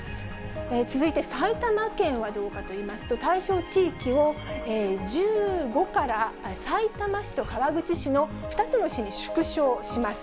続いて埼玉県はどうかといいますと、対象地域を１５から、さいたま市と川口市の２つの市に縮小します。